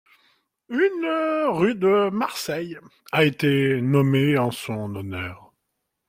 Une rue de Marseille a été nommée en son honneur.